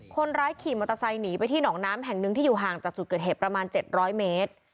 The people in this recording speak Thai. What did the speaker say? คนร้ายขี่มอเตอร์ไซค์หนีไปที่หนองน้ำแห่งหนึ่งที่อยู่ห่างจากจุดเกิดเหตุประมาณ๗๐๐เมตร